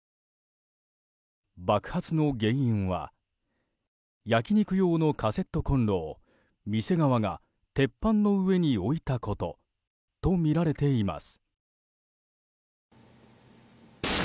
爆発の原因は焼き肉用のカセットコンロを店側が鉄板の上に置いたこととみられています。